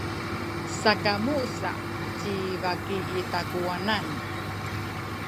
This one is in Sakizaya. sakamu sa ci baki i takuwanan.